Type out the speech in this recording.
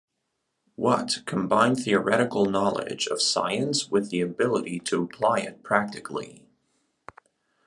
Watt combined theoretical knowledge of science with the ability to apply it practically.